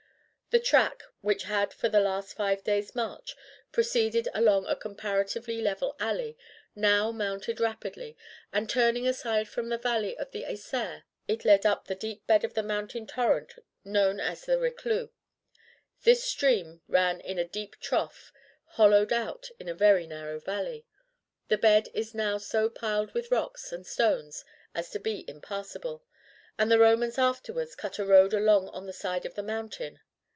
The track, which had for the last five days' march proceeded along a comparatively level valley, now mounted rapidly, and turning aside from the valley of the Isere it led up the deep bed of the mountain torrent known as the Reclus; this stream ran in a deep trough hollowed out in a very narrow valley. The bed is now so piled with rocks and stones as to be impassable, and the Romans afterwards cut a road along on the side of the mountain.